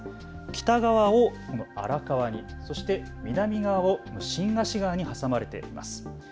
北側を荒川に、そして南側を新河岸川に挟まれています。